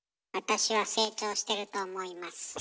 あたしは成長してると思います。